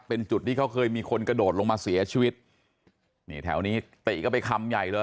เป็นจุดที่เขาเคยมีคนกระโดดลงมาเสียชีวิตนี่แถวนี้ติก็ไปคำใหญ่เลย